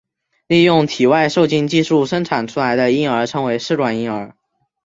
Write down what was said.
利用体外受精技术生产出来的婴儿称为试管婴儿。